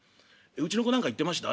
「うちの子何か言ってました？」